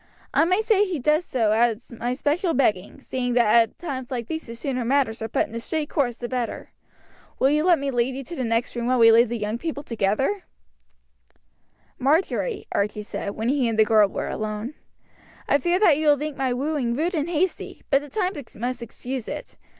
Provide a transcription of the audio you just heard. I may say he does so at my special begging, seeing that at times like these the sooner matters are put in a straight course the better. Will you let me lead you to the next room while we leave the young people together?" "Marjory," Archie said, when he and the girl were alone, "I fear that you will think my wooing rude and hasty, but the times must excuse it.